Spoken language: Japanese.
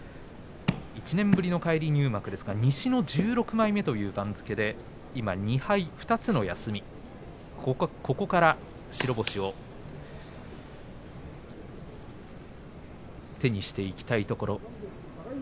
１年ぶりの返り入幕ですから西の１６枚目という番付で今２敗、２つの休みここから白星を手にしていきたいところ。